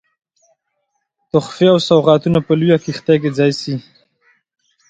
تحفې او سوغاتونه په لویه کښتۍ کې ځای سي.